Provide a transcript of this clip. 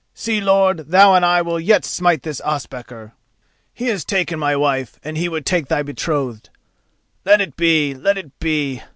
See, lord, thou and I will yet smite this Ospakar. He has taken my wife and he would take thy betrothed. Let it be! Let it be!